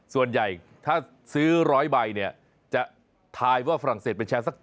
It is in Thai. ส่วนใหญ่ถ้าซื้อ๑๐๐ใบเนี่ยจะทายว่าฝรั่งเศสเป็นแชร์สัก๗